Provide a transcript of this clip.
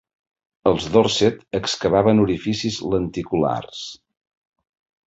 Els Dorset excavaven orificis lenticulars.